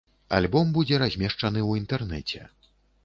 Альбом будзе размешчаны ў інтэрнэце.